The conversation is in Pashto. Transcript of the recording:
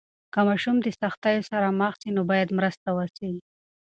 که ماشوم د سختیو سره مخ سي، نو باید مرسته وسي.